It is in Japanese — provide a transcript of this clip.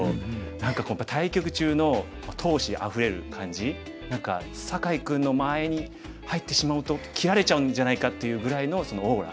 何か対局中の闘志あふれる感じ何か酒井君の間合いに入ってしまうと切られちゃうんじゃないかっていうぐらいのオーラ。